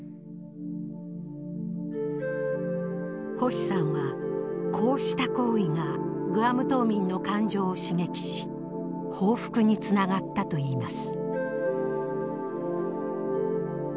星さんはこうした行為がグアム島民の感情を刺激し報復につながったといいます。